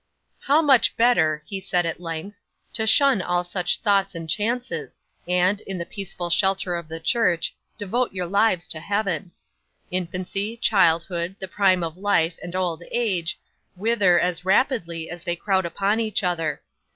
'"How much better," he said at length, "to shun all such thoughts and chances, and, in the peaceful shelter of the church, devote your lives to Heaven! Infancy, childhood, the prime of life, and old age, wither as rapidly as they crowd upon each other.